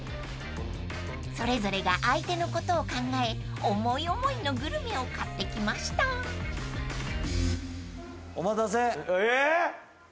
［それぞれが相手のことを考え思い思いのグルメを買ってきました］え？